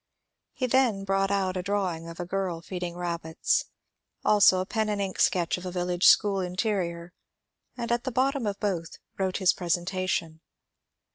He then brought out a drawing of a ^* Girl feeding rabbits," also a pen and ink sketch of a village school interior, and at the bottom of both wrote his presentation.